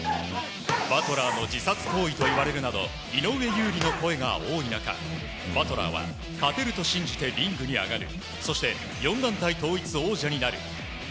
バトラーの自殺行為と言われるなど井上有利の声が多い中バトラーは、勝てると信じてリングに上がる。